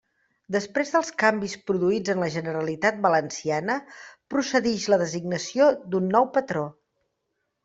Després dels canvis produïts en la Generalitat Valenciana, procedix la designació d'un nou patró.